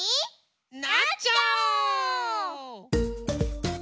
なっちゃおう！